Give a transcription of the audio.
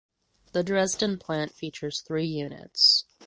The Dresden Plant features three units.